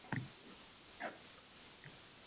Kal xotirjamlik bilan podshoga qarab